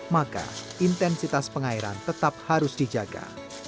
maka intensitas pengairan tetap harus dijaga